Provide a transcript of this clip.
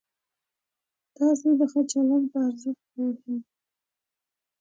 تاسې د ښه چلند په ارزښت پوهېدئ؟